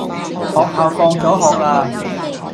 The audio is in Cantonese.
學校放咗學喇